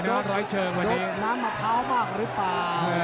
โดดน้ำมะพร้าวมากหรือเปล่า